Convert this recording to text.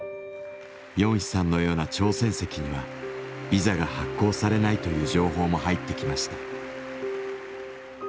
ヨンヒさんのような「朝鮮籍」にはビザが発行されないという情報も入ってきました。